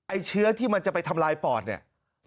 เชื้อที่มันจะไปทำลายปอดเนี่ย